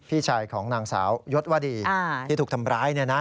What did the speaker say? พี่ชายของนางสาวยศวดีที่ถูกทำร้าย